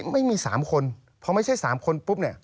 ไม่มี๓คนพอไม่ใช่๓คนปุ๊บ